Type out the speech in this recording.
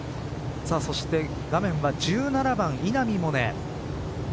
そして画面は１７番、稲見萌寧。